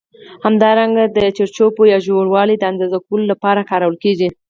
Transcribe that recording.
همدارنګه د چوړپو یا ژوروالي د اندازه کولو له پاره کارول کېږي.